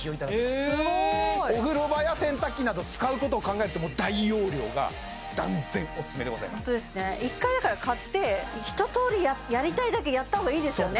すごいお風呂場や洗濯機など使うことを考えると大容量が断然おすすめでございますホントですね１回だから買って一とおりやりたいだけやった方がいいですよね